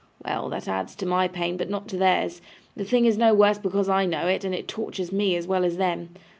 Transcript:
Well, that adds to my pain, but not to theirs. The thing is no worse because I know it, and it tortures me as well as them.